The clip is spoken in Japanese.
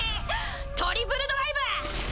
トリプルドライブ！